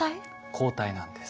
抗体なんです。